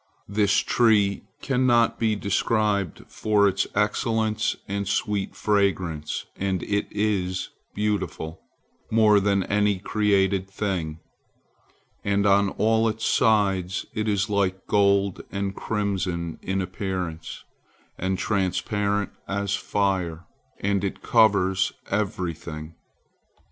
This tree cannot be described for its excellence and sweet fragrance, and it is beautiful, more than any created thing, and on all its sides it is like gold and crimson in appearance, and transparent as fire, and it covers everything.